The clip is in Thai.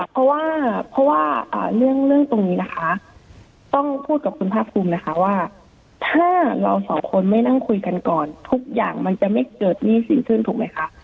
เพราะว่าเพราะว่าเรื่องตรงนี้นะคะต้องพูดกับคุณภาคภูมินะคะว่าถ้าเราสองคนไม่นั่งคุยกันก่อนทุกอย่างมันจะไม่เกิดหนี้สินขึ้นถูกไหมคะ